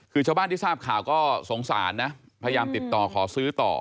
คือชาวบ้านที่ทราบข่าวก็สงสารนะพยายามติดต่อขอซื้อต่อ